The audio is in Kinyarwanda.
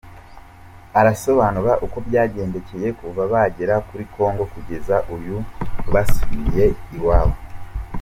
Arasibanura uko byabagendekeye kuva bagera kuri Congo kugeza uyu basubiye iwabo.